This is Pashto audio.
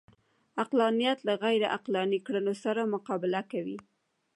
عقلانیت له غیرعقلاني کړنو سره مقابله کوي